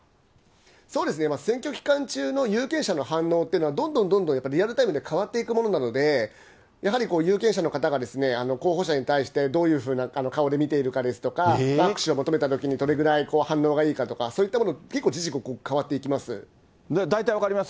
そうですね、選挙期間中の有権者の反応っていうのは、どんどんどんどんリアルタイムで変わっていくものなので、やはり有権者の方が候補者に対して、どういうふうな顔で見ているかですとか、握手を求めたときに、どれぐらい反応がいいかとか、そういったもの、大体分かります？